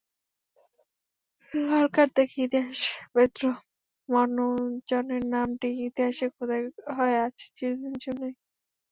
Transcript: লাল card দেখে ইতিহাসেপেদ্রো মনজনের নামটি ইতিহাসে খোদাই হয়ে আছে চিরদিনের জন্যই।